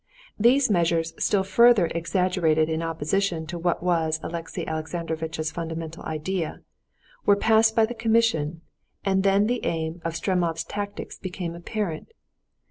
These measures, still further exaggerated in opposition to what was Alexey Alexandrovitch's fundamental idea, were passed by the commission, and then the aim of Stremov's tactics became apparent.